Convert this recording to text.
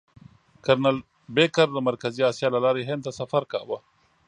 کرنل بېکر د مرکزي اسیا له لارې هند ته سفر کاوه.